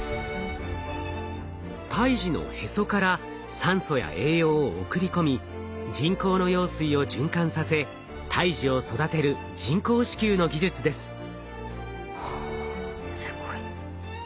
胎児のヘソから酸素や栄養を送り込み人工の羊水を循環させ胎児を育てる人工子宮の技術です。